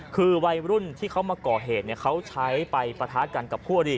คือวัยรุ่นที่เขามาก่อเหตุเขาใช้ไปปะทะกันกับคู่อดีต